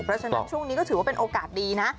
เพราะฉะนั้นช่วงนี้ก็ถือว่าเป็นโอกาสดีนะ